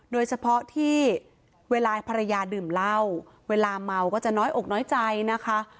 โดยเฉพาะที่เวลาภรรยาดื่มเหล้าเวลาเมาก็จะน้อยอกน้อยใจนะคะ